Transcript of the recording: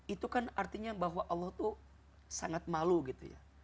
itu kan artinya bahwa allah tuh sangat malu gitu ya